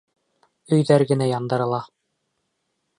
Өйҙәр генә яндырыла...